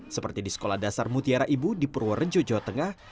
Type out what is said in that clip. seperti di sekolah dasar mutiara ibu di purworejo jawa tengah